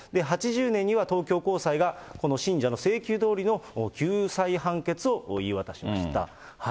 ８０年には、東京高裁がこの信者の請求どおりの救済判決を言い渡しました。